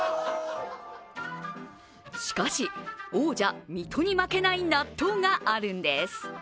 しかし、王者・水戸に負けない納豆があるんです。